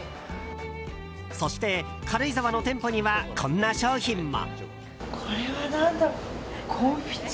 そして、軽井沢の店舗にはこんな商品も。